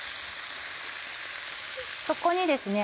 そこにですね